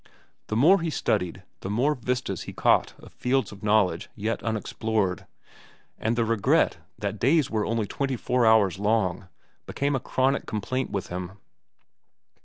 The more he studied, the more vistas he caught of fields of knowledge yet unexplored, and the regret that days were only twenty four hours long became a chronic complaint with him.